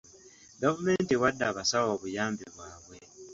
Gavumenti ewadde abasawo obuyambi bwabwe.